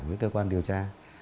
với cơ quan điều tra